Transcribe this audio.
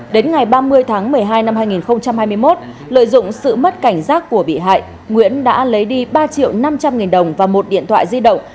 đến ngày ba mươi tháng một mươi hai năm hai nghìn hai mươi một lợi dụng sự mất cảnh giác của bị hại nguyễn đã lấy đi ba triệu năm trăm linh nghìn đồng và một điện thoại di động